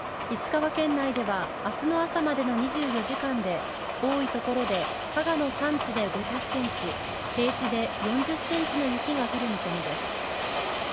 石川県内では、あすの朝までの２４時間で、多い所で加賀の山地で５０センチ、平地で４０センチの雪が降る見込みです。